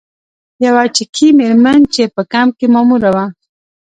یوه چکي میرمن چې په کمپ کې ماموره وه.